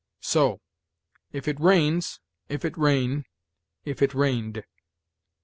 So, 'if it rains,' 'if it rain,' 'if it rained.'